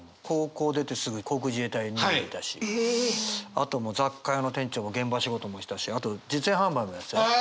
あと雑貨屋の店長も現場仕事もしたしあと実演販売もやってたよ。